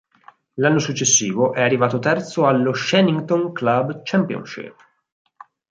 L'anno successivo è arrivato terzo allo Shenington Club Championship.